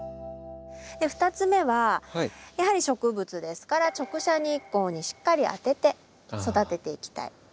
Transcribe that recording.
２つ目はやはり植物ですから直射日光にしっかり当てて育てていきたい。